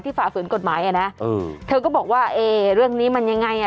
ฝ่าฝืนกฎหมายอ่ะนะเออเธอก็บอกว่าเอ๊เรื่องนี้มันยังไงอ่ะ